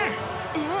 えっ！